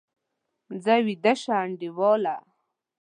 ځه، ویده شه انډیواله!